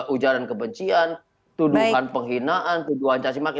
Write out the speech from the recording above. ujaran kebencian tuduhan penghinaan tuduhan cacimaki